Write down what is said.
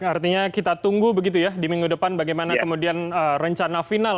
artinya kita tunggu begitu ya di minggu depan bagaimana kemudian rencana final